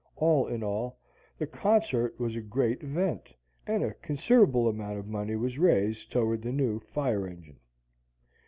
All in all, the concert was a great event, and a considerable amount of money was raised toward the new fire engine.